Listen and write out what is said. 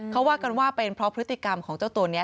เขาว่ากันว่าเป็นเพราะพฤติกรรมของเจ้าตัวนี้